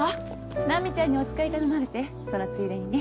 ナミちゃんにお使い頼まれてそのついでにね。